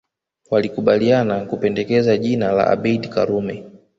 Walikubaliana kupendekeza jina la Abeid Karume